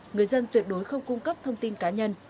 người dân tuyệt đối không cung cấp thông tin cá nhân